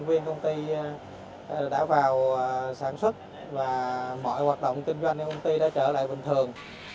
viên công ty đã vào sản xuất và mọi hoạt động kinh doanh của công ty đã trở lại bình thường